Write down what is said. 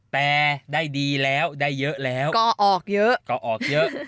แต่ได้ดีแล้วได้เยอะแล้วก็ออกเยอะ